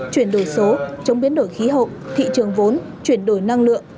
chuyển đổi số chống biến đổi khí hậu thị trường vốn chuyển đổi năng lượng